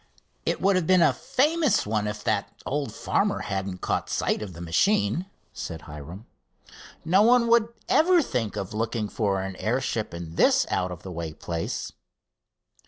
"It would have been a famous one if that old farmer hadn't caught sight of the machine," said Hiram. "No one would ever think of looking for an airship in this out of the way place."